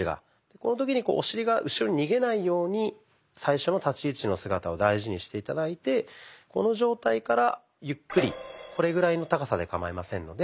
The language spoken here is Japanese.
この時にお尻が後ろに逃げないように最初の立ち位置の姿を大事にして頂いてこの状態からゆっくりこれぐらいの高さでかまいませんので。